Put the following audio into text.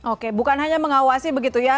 oke bukan hanya mengawasi begitu ya